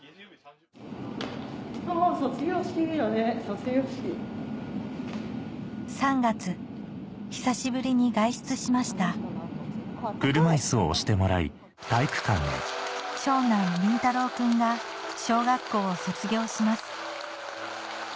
・もう卒業式だね卒業式・３月久しぶりに外出しました長男・凜太郎君が小学校を卒業します